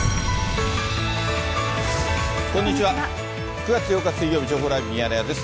９月８日水曜日、情報ライブミヤネ屋です。